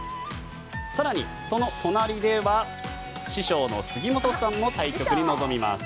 更にその隣では師匠の杉本さんも対局に臨みます。